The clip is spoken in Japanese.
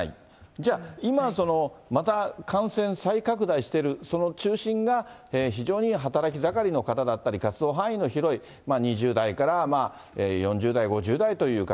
じゃあ、今、また感染再拡大しているその中心が、非常に働き盛りの方だったり、活動範囲の広い２０代から４０代、５０代という方。